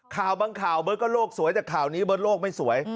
ข่าวบางข่าวเบิร์ตก็โลกสวยแต่ข่าวนี้เบิร์ตโลกไม่สวย